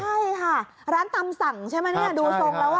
ใช่ค่ะร้านตำสั่งใช่ไหมเนี่ยดูทรงแล้ว